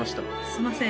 すいません